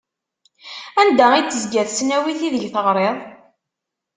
Anda i d-tezga tesnawit ideg teɣriḍ?